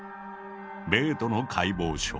ベートの解剖書。